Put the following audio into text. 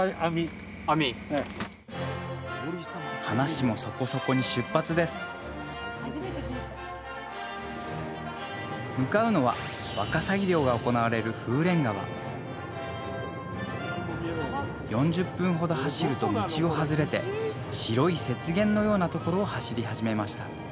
話もそこそこに出発です向かうのはわかさぎ漁が行われる風蓮川４０分ほど走ると道を外れて白い雪原のようなところを走り始めました